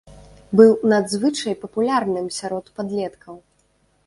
Быў надзвычай папулярным сярод падлеткаў.